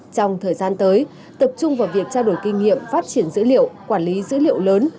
trong thời gian tới tập trung vào việc trao đổi kinh nghiệm phát triển dữ liệu quản lý dữ liệu lớn